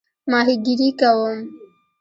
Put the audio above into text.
ماهیګیري کوم؟